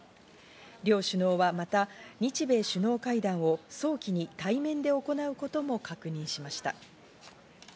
両首脳はまた日米首脳会談を早期に対面で行うことも確認しました。